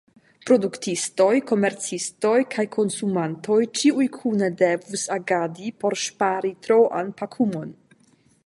Produktistoj, komercistoj kaj konsumantoj, ĉiuj kune devus agadi por ŝpari troan pakumon.